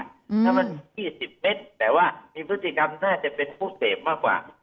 ถ้ามัน๒๐เมตรแต่ว่ามีพฤติกรรมน่าจะเป็นผู้เสพมากกว่า